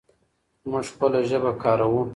موږ خپله ژبه کاروو.